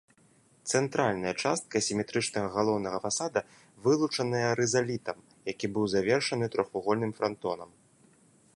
Цэнтральная частка сіметрычнага галоўнага фасада вылучаная рызалітам, які быў завершаны трохвугольным франтонам.